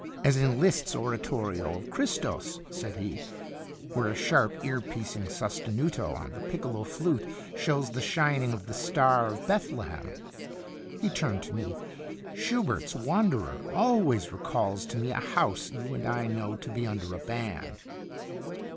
"As in Liszt's oratorio of 'Christus,'" said he, " where a sharp, ear piercing sostenuto on the piccolo flute shows the shining of the star of Bethlehem." He turned to me. "Schubert's 'Wanderer' always recalls to me a house you and I know to be under a ban."